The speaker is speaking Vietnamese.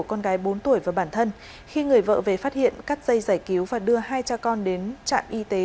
con gái bốn tuổi và bản thân khi người vợ về phát hiện cắt dây giải cứu và đưa hai cha con đến trạm y tế